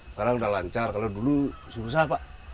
sekarang sudah lancar kalau dulu susah pak